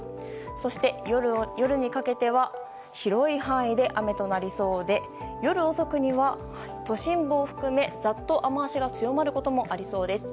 そして夜にかけては広い範囲で雨になりそうで夜遅くは都心部を含めざっと雨脚が強まることもありそうです。